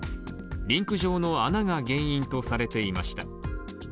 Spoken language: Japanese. リンク上の穴が原因とされていました。